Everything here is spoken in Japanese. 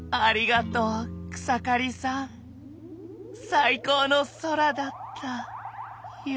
最高の空だったよ。